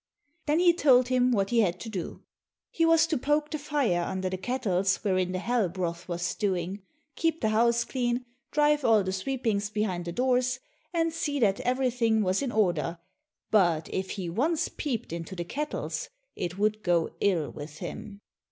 Then he told him what he had to do. He was to poke the fire under the kettles wherein the hell broth was stewing, keep the house clean, drive all the sweepings behind the doors, and see that everything was in order, but if he once peeped into the kettles, it would go ill with him.